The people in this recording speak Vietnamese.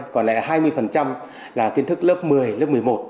còn lại là hai mươi là kiến thức lớp một mươi lớp một mươi một